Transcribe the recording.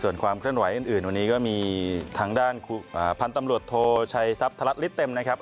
ส่วนความเคลื่อนไหวอื่นวันนี้ก็มีทางด้านพันธุ์ตำรวจโทชัยทรัพย์ธรัฐฤทธิเต็มนะครับ